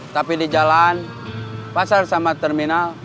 tapi di jalan pasar sama terminal